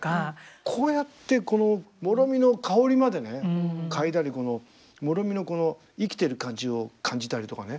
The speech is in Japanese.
こうやってもろみの香りまでね嗅いだりもろみのこの生きてる感じを感じたりとかね